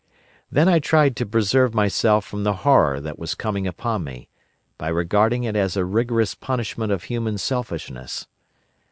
"Then I tried to preserve myself from the horror that was coming upon me, by regarding it as a rigorous punishment of human selfishness.